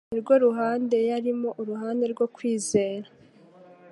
ni rwo ruhande yarimo, uruhande rwo kwizera.